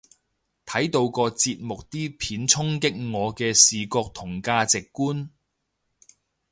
睇到個節目啲片衝擊我嘅視覺同價值觀